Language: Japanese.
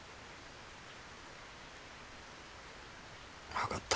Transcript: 分かった。